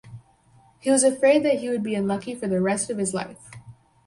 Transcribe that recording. He was afraid that he would be unlucky for the rest of his life.